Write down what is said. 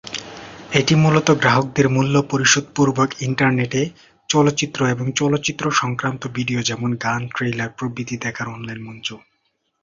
এটি মূলত গ্রাহকদের মূল্য পরিশোধ পূর্বক ইন্টারনেটে চলচ্চিত্র এবং চলচ্চিত্র সংক্রান্ত ভিডিও যেমনঃ গান, ট্রেইলার প্রভৃতি দেখার অনলাইন মঞ্চ।